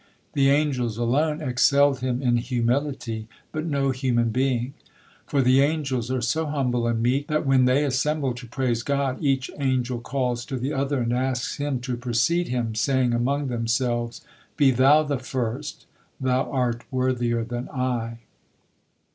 The angels alone excelled him in humility, but no human being; for the angels are so humble and meek, that when the assemble to praise God, each angel calls to the other and asks him to precede him, saying among themselves: "Be thou the first, thou are worthier than I."